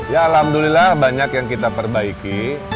ya alhamdulillah banyak yang kita perbaiki